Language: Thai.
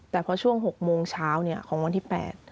แต่พอช่วง๖โมงเช้าของวันที่๘